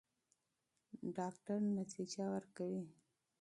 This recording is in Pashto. ډاکټره نتیجه ورکوي.